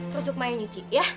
terus suka yang nyuci ya